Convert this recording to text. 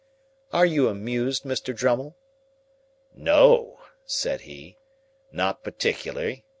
"Are you amused, Mr. Drummle?" "No," said he, "not particularly.